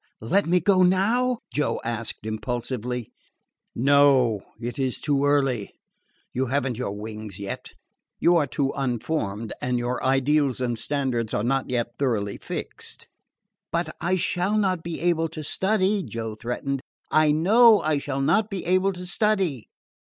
"Let me go now?" Joe asked impulsively. "No; it is too early. You have n't your wings yet. You are too unformed, and your ideals and standards are not yet thoroughly fixed." "But I shall not be able to study," Joe threatened. "I know I shall not be able to study."